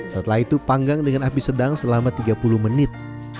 setelah itu panggang dengan api sedang selama tiga puluh menit